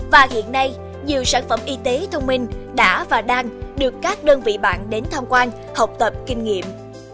và hiện nay nhiều sản phẩm y tế thông minh đã và đang được các đơn vị bạn đến tham quan học tập kinh nghiệm